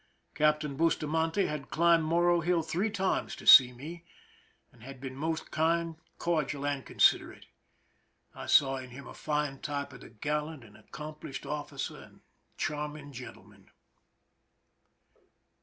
Captain Bustamante had climbed Morro hill three times to see me, and had been most kind, cordial, and considerate. I saw in him a fine type of the gallant and accomplished officer and charming gentleman.